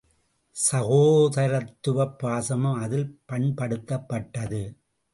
சகோதரத்துவப் பாசமும் அதில் பண்படுத்தப்பட்டது.